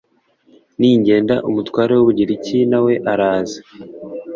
ningenda umutware w’ u bugiriki na we araza.